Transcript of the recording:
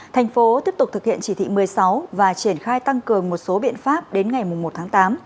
thành phố tiếp tục thực hiện chỉ thị một mươi sáu và triển khai tăng cường một số biện pháp đến ngày một tháng tám